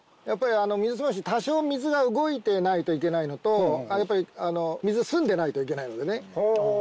やっぱりミズスマシ多少水が動いてないといけないのとやっぱり水澄んでないといけないのでね。